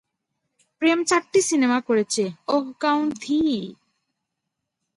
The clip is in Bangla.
প্রেম চারটি সিনেমা করেছে ওহ কাউন থি?